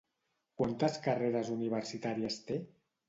Quantes carreres universitàries té?